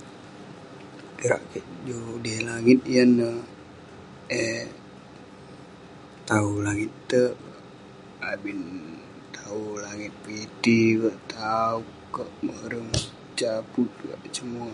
kirak kik ju udey langit yan ne eh tawu langit tek abin tawu langit piti kek taup kek merem, saput apa cemua.